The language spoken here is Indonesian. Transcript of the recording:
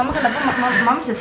mama kenapa makmau mama sesat